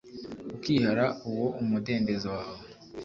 ukihara uwo umudendezo wawe